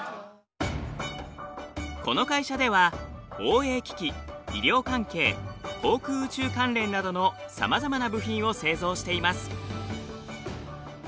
この会社ではＯＡ機器医療関係航空宇宙関連などのさまざまな部品を製造しています。